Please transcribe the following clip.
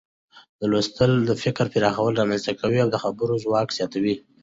لوستل د فکر پراخوالی رامنځته کوي او د خبرو ځواک زیاتوي.